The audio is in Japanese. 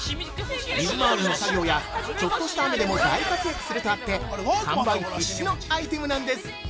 水回りの作業やちょっとした雨でも大活躍するとあって、完売必至のアイテムなんです。